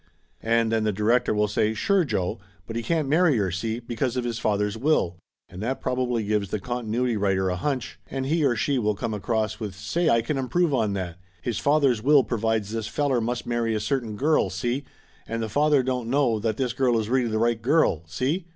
And then the director will say, sure Joe, but he can't marry her, see, because of his father's will. And that probably gives the con tinuity writer a hunch, and he or she will come across with say I can improve on that, his father's will pro vides this feller must marry a certain girl, see, and the father don't know that this girl is really the right girl, see?